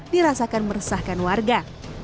dirasakan meresahkan warga